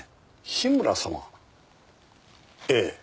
樋村様ええ。